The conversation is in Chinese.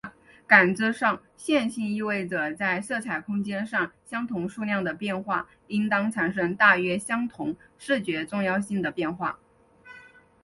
感知上线性意味着在色彩空间上相同数量的变化应当产生大约相同视觉重要性的变化。